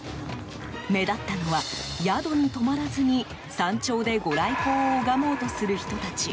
目立ったのは、宿に泊まらずに山頂でご来光を拝もうとする人たち。